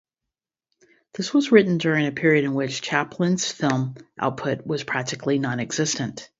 This was written during a period in which Chaplin's film output was practically nonexistent.